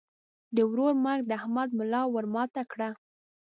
د ورور مرګ د احمد ملا ور ماته کړه.